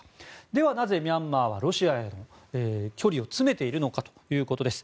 ではなぜミャンマーはロシアへの距離を詰めているのかということです。